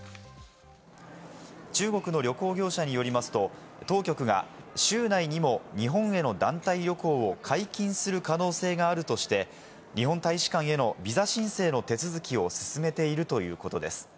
中国の旅行業者によりますと、当局が週内にも日本への団体旅行を解禁する可能性があるとして、日本大使館へのビザ申請の手続きを進めているということです。